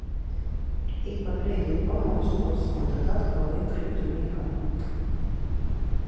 Ik pa brīdim pamostos un tad atkal iekrītu miegā.